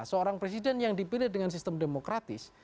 seorang presiden yang dipilih dengan sistem demokratis